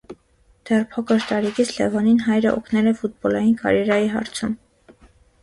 Դեռ փոքր տարիքից Լևոնին հայրը օգնել է ֆուտբոլային կարիերայի հարցում։